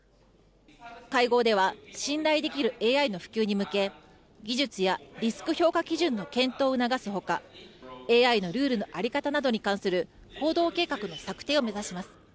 会合では信頼できるＡＩの普及に向け技術やリスク評価基準の検討を促すほかＡＩのルールの在り方などに関する行動計画の策定を目指します。